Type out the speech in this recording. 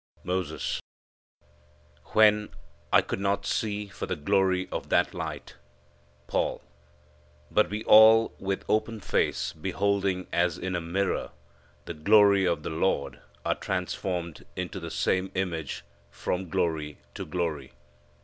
Moses. "When I could not see for the glory of that light." Paul. "But we all with open face beholding as in a mirror the glory of the Lord are transformed into the same image from glory to glory."